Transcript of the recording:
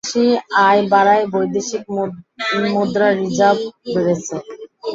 প্রবাসী আয় বাড়ায় বৈদেশিক মুদ্রার রিজার্ভও বেড়েছে।